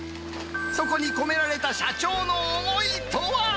そこに込められた社長の思いとは。